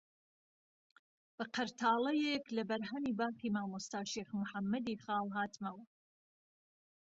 بە قەرتاڵەیەک لە بەرهەمی باخی مامۆستا شێخ محەممەدی خاڵ هاتمەوە